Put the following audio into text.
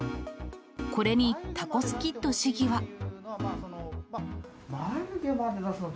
これに、タコスキッド市議は。